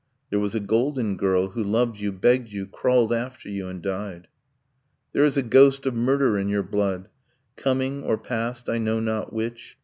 There was a golden girl who loved you, begged you, Crawled after you, and died. 'There is a ghost of murder in your blood Coming or past, I know not which.